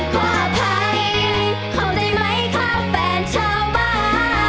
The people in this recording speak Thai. ขออภัยเขาได้ไหมคะแฟนชาวบ้าน